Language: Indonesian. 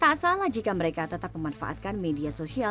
tak salah jika mereka tetap memanfaatkan media sosial